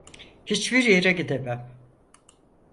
Hiçbir yere gidemem.